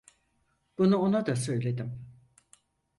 Bunu ona da söyledim.